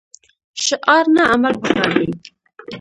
شعار نه عمل پکار دی